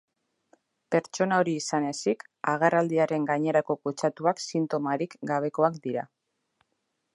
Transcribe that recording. Pertsona hori izan ezik, agerraldiaren gainerako kutsatuak sintomarik gabekoak dira.